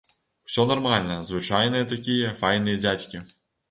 Усё нармальна, звычайныя такія, файныя дзядзькі.